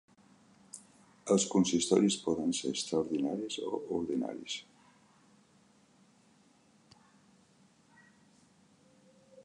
Els consistoris poden ser extraordinaris o ordinaris.